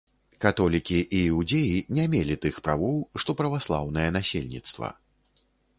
Католікі і іудзеі не мелі тых правоў, што праваслаўнае насельніцтва.